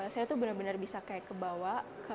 saya benar benar bisa kebawa